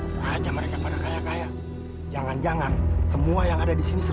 salah salah salah salah